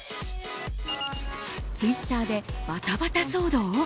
ツイッターでバタバタ騒動？